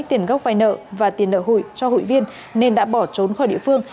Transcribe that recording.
tiền gốc vai nợ và tiền nợ hụi cho hụi viên nên đã bỏ trốn khỏi địa phương